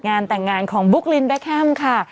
งานแต่งงานของบุ๊กลินแบคแฮมค่ะ